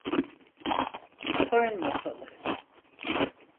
Koyun Masalı.